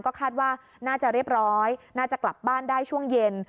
ก็คาดว่าน่าจะเรียบร้อยน่าจะกลับบ้านได้ช่วงเย็น